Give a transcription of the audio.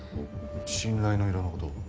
「信頼」の色のこと